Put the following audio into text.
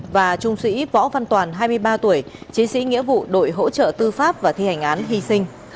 và trung sĩ võ văn toàn hai mươi ba tuổi chiến sĩ nghĩa vụ đội hỗ trợ tư pháp và thi hành án hy sinh